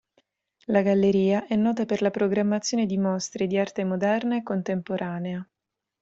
La galleria è nota per la programmazione di mostre di arte moderna e contemporanea.